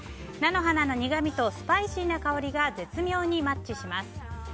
菜の花の苦みとスパイシーな香りが絶妙にマッチします。